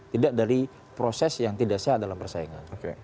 tidak dari proses yang tidak sehat dalam persaingan